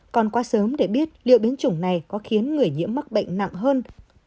còn quá sớm để biết liệu biến chủng này có khiến người nhiễm mắc bệnh nặng hơn